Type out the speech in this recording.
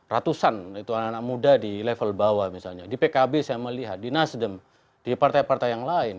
ratusan itu anak anak muda di level bawah misalnya di pkb saya melihat di nasdem di partai partai yang lain